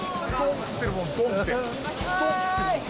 っつってるもん。